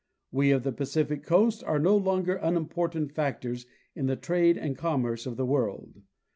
We of the Pacific coast are no longer unimportant factors in the trade and commerce of the world.